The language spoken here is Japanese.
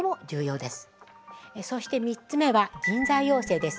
そして３つ目は「人材養成」です。